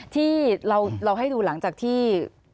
ที่เราให้ดูหลังจากที่